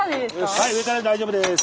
はい上からで大丈夫です。